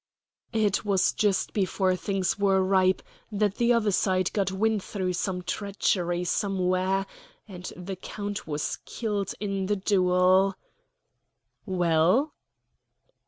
"It was just before things were ripe that the other side got wind through some treachery somewhere; and the count was killed in the duel." "Well?"